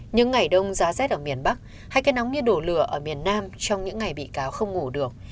những ngày đông giá rét ở miền bắc hay cây nóng như đổ lửa ở miền nam trong những ngày bị cáo không ngủ được